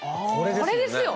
これですよ